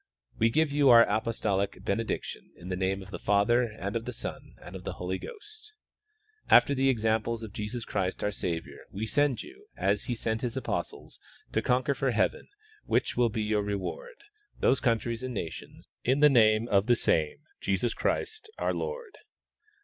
We give you our apostolic benediction, in the name of the Father and of the Son and of the Holy Ghost. After the example of Jesus Christ our Savior, we send you, as He sent His apostles, to conc|uer for heaven, which will be your reward, those countries and nations in the name of the same Jesus Christ our Lord.